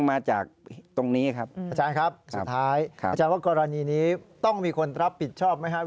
อาจารย์ว่ากรณีนี้ต้องมีคนรับผิดชอบไหมครับ